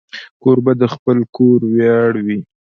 کوربه د خپل کور ویاړ وي.